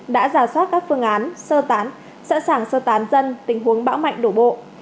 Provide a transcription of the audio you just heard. đã giả soát các phương án sơ tán sẵn sàng sơ tán dân tình huống bão mạnh đổ bộ